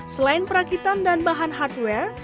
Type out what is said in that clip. selain perakitan dan bahan hardware